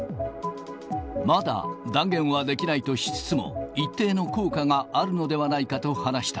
まだ断言はできないとしつつも、一定の効果があるのではないかと話した。